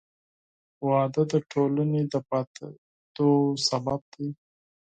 • واده د ټولنې د بقا سبب دی.